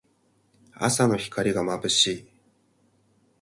朝の光がまぶしい。